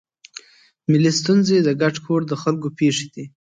ملي ستونزې د ګډ کور د خلکو پېښې دي.